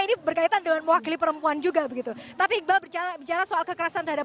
ini berkaitan dengan mewakili perempuan juga begitu tapi iqbal bicara soal kekerasan terhadap